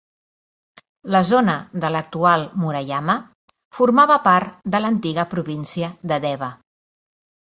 La zona de l'actual Murayama formava part de l'antiga província de Dewa.